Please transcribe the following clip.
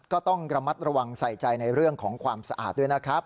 ก็ต้องระมัดระวังใส่ใจในเรื่องของความสะอาดด้วยนะครับ